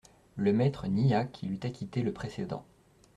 Le maître nia qu'il eût acquitté le précédent.